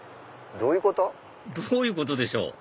どういうことでしょう？